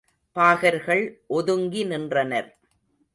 பாகர்கள் ஒதுங்கி நின்றனர்.